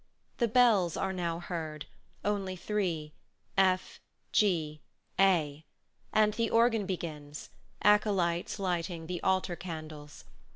The bells are now heard only three, F, G, A, and the organ begins, acolytes lighting the altar candles.